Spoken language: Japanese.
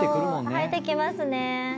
生えてきますね。